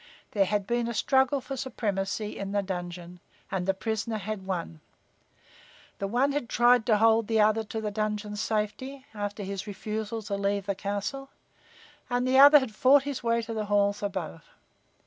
There had been a struggle for supremacy in the dungeon and the prisoner had won. The one had tried to hold the other to the dungeon's safety, after his refusal to leave the castle, and the other had fought his way to the halls above.